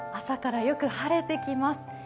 朝からよく晴れてきます。